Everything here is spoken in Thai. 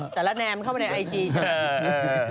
แนมเข้าไปในไอจีใช่ไหม